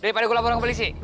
daripada gue laporan ke polisi